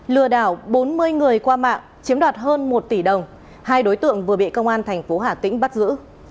lừa đảo bốn mươi người qua mạng chiếm đoạt hơn một tỷ đồng hai đối tượng vừa bị công an thành phố hà tĩnh bắt giữ